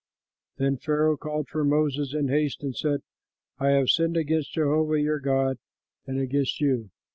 Then Pharaoh called for Moses in haste and said, "I have sinned against Jehovah your God and against you.